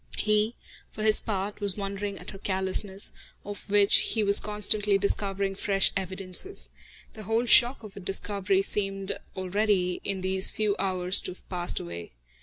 He, for his part, was wondering at her callousness, of which he was constantly discovering fresh evidences. The whole shock of her discovery seemed already, in these few hours, to have passed away.